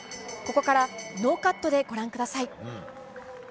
ここからノーカットでご覧ください。